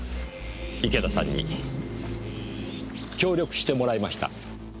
池田さんに協力してもらいました。